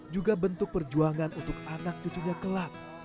juga bentuk perjuangan untuk anak cucunya kelak